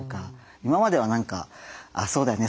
今までは何かそうだよね